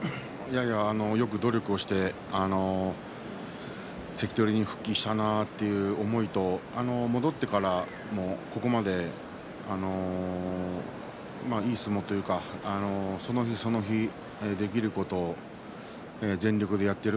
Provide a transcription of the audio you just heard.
よく努力をして関取に復帰したなという思いと戻ってからここまで、いい相撲というかその日その日できることを全力でやっている。